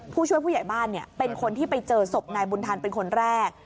ผู้ช่วยผู้ใหญ่บ้านเป็นคนที่ไปเจอศพนายบุญทันเป็นคนแรก